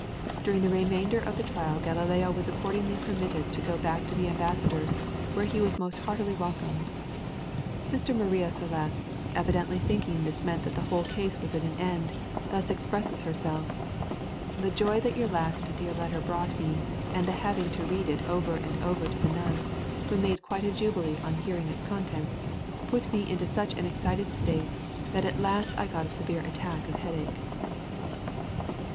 During the remainder of the trial Galileo was accordingly permitted to go back to the ambassador's, where he was most heartily welcomed. Sister Maria Celeste, evidently thinking this meant that the whole case was at an end, thus expresses herself: "The joy that your last dear letter brought me, and the having to read it over and over to the nuns, who made quite a jubilee on hearing its contents, put me into such an excited state that at last I got a severe attack of headache."